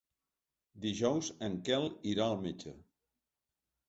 Dijous en Quel irà al metge.